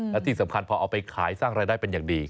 และที่สำคัญพอเอาไปขายสร้างรายได้เป็นอย่างดี